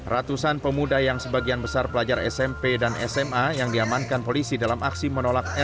ratusan pemuda yang sebagian besar pelajar smp dan sma yang diamankan polisi dalam aksi menolak